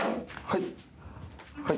はい。